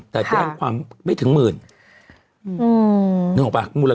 คือคือคือคือคือคือคือ